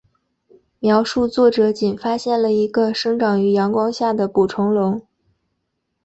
描述作者仅发现了一个生长于阳光下的捕虫笼。